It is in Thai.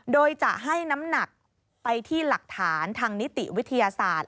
โดยจะให้น้ำหนักไปที่หลักฐานทางนิติวิทยาศาสตร์